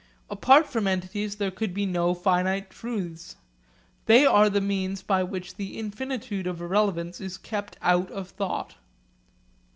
Apart from entities there could be no finite truths; they are the means by which the infinitude of irrelevance is kept out of thought.